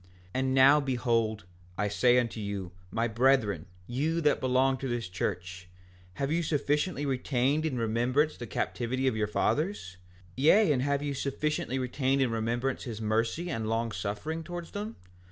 5:6 And now behold, I say unto you, my brethren, you that belong to this church, have you sufficiently retained in remembrance the captivity of your fathers? Yea, and have you sufficiently retained in remembrance his mercy and long suffering towards them?